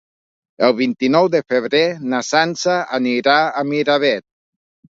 El vint-i-nou de febrer na Sança anirà a Miravet.